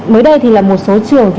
mới đây thì một số trường